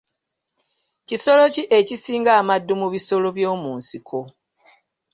Kisolo ki ekisinga amaddu mu bisolo by'omu nsiko?